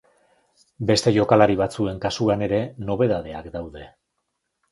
Beste jokalari batzuen kasuan ere nobedadeak daude.